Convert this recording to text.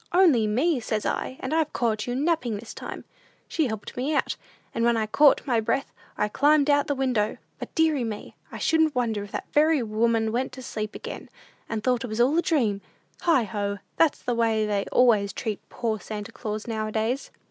'Only me,' says I; 'and I've caught you napping this time!' She helped me out, and when I had caught my breath, I climbed out the window; but, deary me, I shouldn't wonder if that very woman went to sleep again, and thought it was all a dream! Heigh ho! that's the way they always treat poor Santa Claus nowadays."